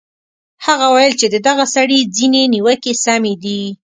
هغه ویل چې د دغه سړي ځینې نیوکې سمې دي.